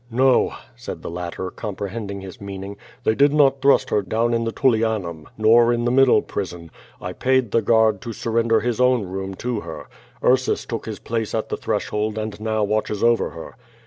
"No," said the lat'ter, comprehending his meaning, "they did not thrust her down in the TuUianum,* nor in the mid dle prison. I paid the guard to surrender his own room to her. Ursus took his place at the threshold, and now watches over her."